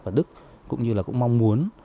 và đức cũng như là cũng mong muốn